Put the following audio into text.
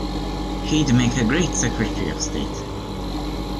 He'd make a great Secretary of State.